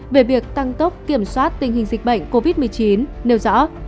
về việc tăng tốc kiểm soát tình hình dịch bệnh covid một mươi chín nêu rõ